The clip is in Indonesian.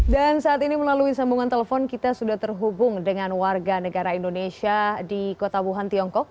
dan saat ini melalui sambungan telepon kita sudah terhubung dengan warga negara indonesia di kota wuhan tiongkok